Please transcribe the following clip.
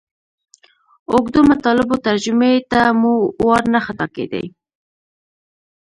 اوږدو مطالبو ترجمې ته مو وار نه خطا کېدئ.